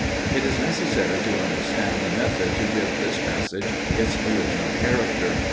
It is necessary to understand the method to give this passage its original character.